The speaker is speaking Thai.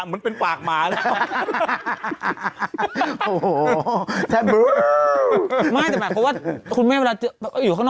เหมือนมันเขาว่าสุรคุณเมฆเวลาอยู่ข้างนอก